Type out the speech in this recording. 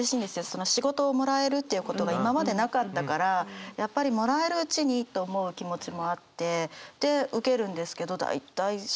その仕事をもらえるっていうことが今までなかったからやっぱりもらえるうちにと思う気持ちもあってで受けるんですけど大体そうですね